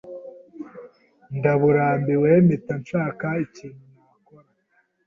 ndaburambiwe mpita nshaka ikintu nakora